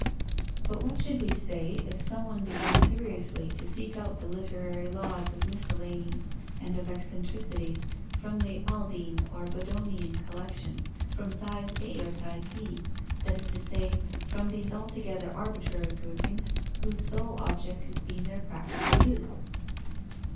But what should we say if some one began seriously to seek out the literary laws of miscellanies and of eccentricities from the Aldine or Bodonian collection, from size A or size B, that is to say, from these altogether arbitrary groupings whose sole object has been their practical use?